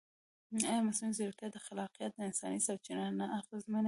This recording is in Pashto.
ایا مصنوعي ځیرکتیا د خلاقیت انساني سرچینه نه اغېزمنوي؟